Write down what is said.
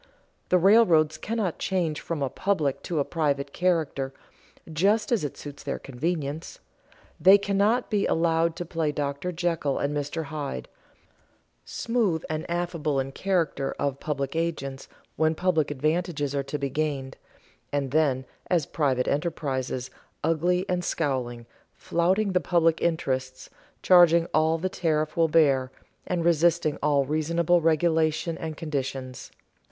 The railroads cannot change from a public to a private character just as it suits their convenience. They cannot be allowed to play Dr. Jekyll and Mr. Hyde; smooth and affable in the character of public agents when public advantages are to be gained, and then as private enterprises ugly and scowling, flouting the public interests, charging all the traffic will bear, and resisting all reasonable regulation and conditions.